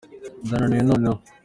ndananiwe noneho